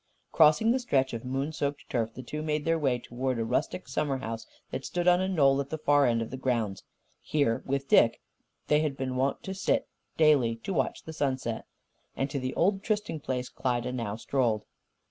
Crossing the stretch of moon soaked turf, the two made their way towards a rustic summer house that stood on a knoll at the far end of the grounds. Here, with Dick, they had been wont to sit, daily, to watch the sunset. And to the old trysting place, Klyda now strolled.